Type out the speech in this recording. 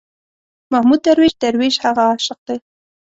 محمود درویش، درویش هغه عاشق دی.